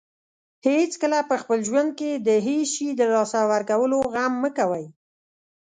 هیڅکله په خپل ژوند کې د هیڅ شی له لاسه ورکولو غم مه کوئ.